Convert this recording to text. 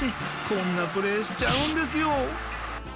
こんなプレーしちゃうんですよ。